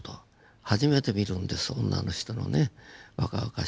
初めて見るんです女の人のね若々しい柔らかい肌。